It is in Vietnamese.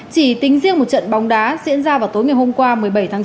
chỉ tính riêng một trận bóng đá diễn ra vào tối ngày hôm qua một mươi bảy tháng chín